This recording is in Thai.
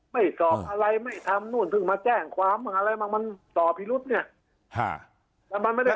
ไม่สอบอะไรไม่ทำนู่น